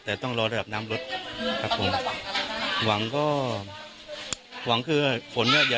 แต่ต้องรอระดับน้ำลดครับผมหวังก็หวังคือฝนเนี้ย